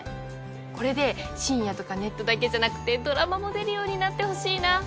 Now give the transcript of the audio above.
これで深夜とかネットだけじゃなくてドラマも出るようになってほしいな。